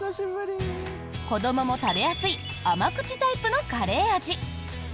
子どもも食べやすい甘口タイプのカレー味。